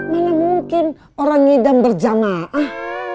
mana mungkin orang ngidam berjamaah